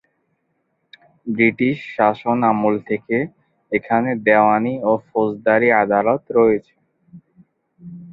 British শাসন আমল থেকে এখানে দেওয়ানী ও ফৌজদারি আদালত রয়েছে।